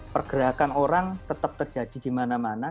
pergerakan orang tetap terjadi di mana mana